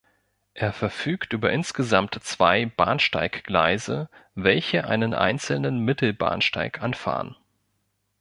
Er verfügt über insgesamt zwei Bahnsteiggleise welche einen einzelnen Mittelbahnsteig anfahren.